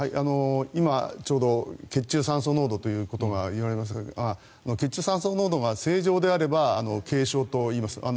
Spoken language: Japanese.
今、ちょうど血中酸素濃度ということがいわれましたが血中酸素濃度が正常であれば軽症となります。